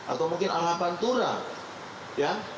atau mungkin arah pantura